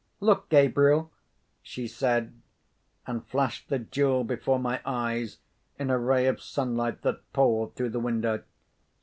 "Look, Gabriel!" she said, and flashed the jewel before my eyes in a ray of sunlight that poured through the window.